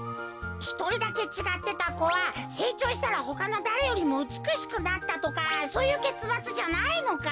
ひとりだけちがってたこはせいちょうしたらほかのだれよりもうつくしくなったとかそういうけつまつじゃないのか？